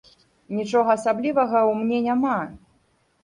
Нічога асаблівага ў мне няма.